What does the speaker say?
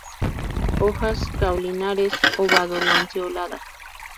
Hojas caulinares ovadolanceoladas.